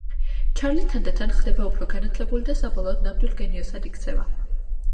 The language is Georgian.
ჩარლი თანდათან ხდება უფრო განათლებული და საბოლოოდ ნამდვილ გენიოსად იქცევა.